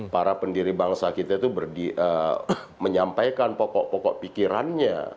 para pendiri bangsa kita itu menyampaikan pokok pokok pikirannya